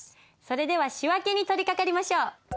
それでは仕訳に取りかかりましょう。